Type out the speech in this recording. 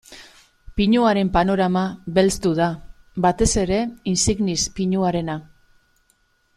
Pinuaren panorama belztu da, batez ere insignis pinuarena.